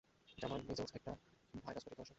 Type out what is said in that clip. জামান measles একটা ভাইরাসঘটিত অসুখ।